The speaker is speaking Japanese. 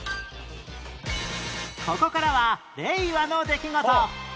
ここからは令和の出来事